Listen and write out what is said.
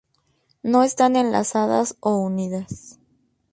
No están enlazadas o unidas.